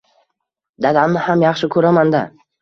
Dadamni ham yaxshi koʻraman-da